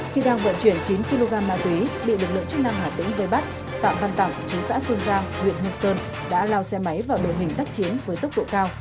khi đang vận chuyển chín kg ma túy bị lực lượng chức năng hà tĩnh gây bắt phạm văn tảo chú xã sơn gia huyện hồ sơn đã lao xe máy vào đội hình tác chiến với tốc độ cao